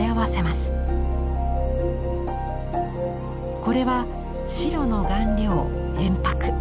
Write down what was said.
これは白の顔料鉛白。